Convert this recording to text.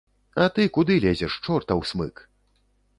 А ты куды лезеш, чортаў смык?